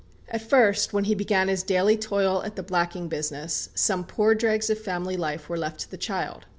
At first, when he began his daily toil at the blacking business, some poor dregs of family life were left to the child.